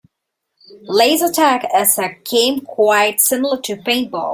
Laser tag is a game quite similar to paintball.